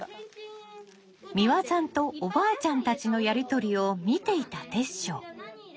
三和さんとおばあちゃんたちのやり取りを見ていた煌翔。